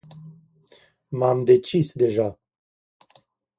M-am decis deja.